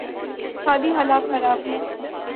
اقتصادی حالت خراب ہے۔